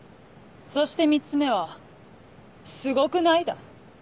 そして３つ目は「すごくない？」だ。